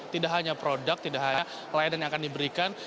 tidak hanya produk tidak hanya layanan yang akan diberikan